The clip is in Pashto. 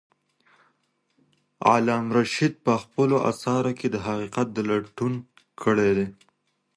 علامه رشاد په خپلو اثارو کې د حقیقت لټون کړی دی.